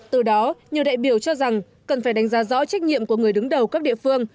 từ đó nhiều đại biểu cho rằng cần phải đánh giá rõ trách nhiệm của người đứng đầu các địa phương